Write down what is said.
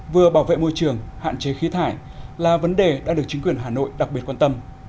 vừa bảo vệ môi trường hạn chế khí thải là vấn đề đang được chính quyền hà nội đặc biệt quan tâm